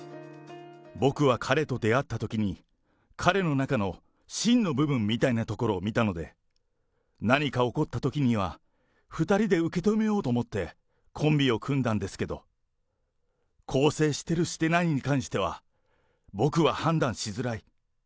僕は彼と出会ったときに、彼の中の芯の部分みたいなところを見たので、何か起こったときには、２人で受け止めようと思って、コンビを組んだんですけど、更生してる、してないに関しては、僕は判断しづらい。